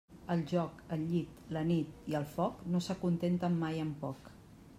El joc, el llit, la nit i el foc no s'acontenten mai amb poc.